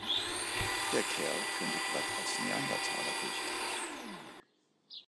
Der Kerl könnte glatt als Neandertaler durchgehen.